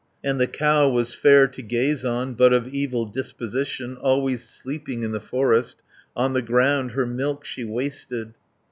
And the cow was fair to gaze on, But of evil disposition; Always sleeping in the forest, On the ground her milk she wasted.